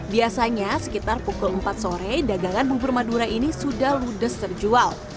biasanya sekitar pukul empat sore dagangan bubur madura ini sudah ludes terjual